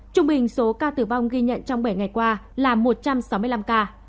trung bình số ca tử vong ghi nhận trong bảy ngày qua là một trăm sáu mươi năm ca